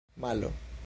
malo